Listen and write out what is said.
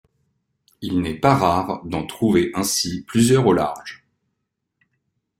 Il n'est pas rare d'en trouver ainsi plusieurs au large.